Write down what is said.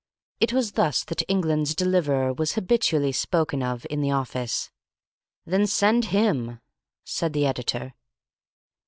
(It was thus that England's deliverer was habitually spoken of in the office.) "Then send him," said the editor.